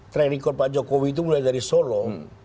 track record pak jokowi itu mulai dari solo